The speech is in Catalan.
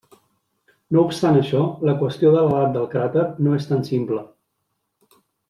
No obstant això, la qüestió de l'edat del cràter no és tan simple.